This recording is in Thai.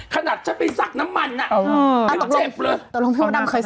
ขนาดฉันไปสักน้ำมันอ่ะฉันเจ็บเลยตกลงพี่มดดำเคยสัก